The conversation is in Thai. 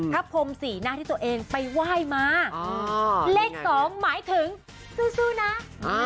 พรมสีหน้าที่ตัวเองไปไหว้มาเลขสองหมายถึงสู้นะ